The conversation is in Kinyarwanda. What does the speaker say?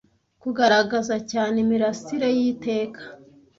kugaragaza cyane imirasire y'iteka